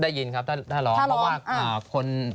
ได้ยินครับถ้าร้องเพราะว่าคน